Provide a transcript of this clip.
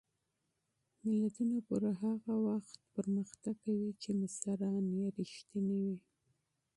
ملتونه په هغه وخت کې وده کوي چې مشران یې صادق وي.